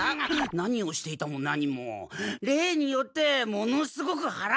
何をしていたもなにも例によってものすごくはらがへって。